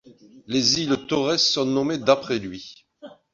Les îles Torres sont nommées d'après lui.